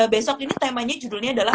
besok ini temanya judulnya adalah